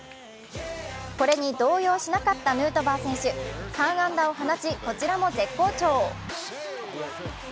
これに動揺しなかったヌートバー選手、３安打を放ちこちらも絶好調。